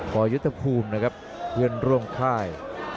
ยุทธภูมินะครับเพื่อนร่วมค่าย